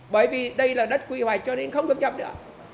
bởi vì đây là đất quy hoạch cho nên không được nhập nữa